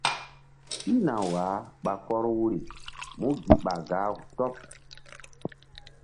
Pihna wah ɓa kɔr wuri mú gi ɓa gah-u tɔɓ.